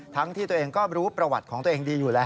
ที่ตัวเองก็รู้ประวัติของตัวเองดีอยู่แล้ว